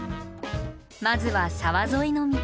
まずは沢沿いの道。